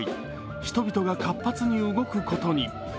人々が活発に動くことに。